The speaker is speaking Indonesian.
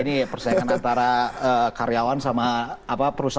ini persaingan antara karyawan sama perusahaan